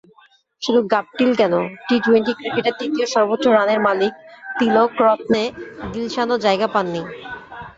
শুধু গাপটিল কেন, টি-টোয়েন্টি ক্রিকেটের তৃতীয় সর্বোচ্চ রানের মালিক তিলকরত্নে দিলশানও জায়গা পাননি।